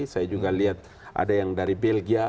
saya juga lihat ada yang dari belgia